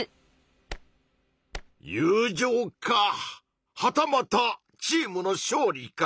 友情かはたまたチームの勝利か。